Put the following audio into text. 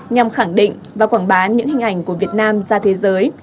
nhằm khẳng định và quảng bá những hình ảnh của việt nam ra thế giới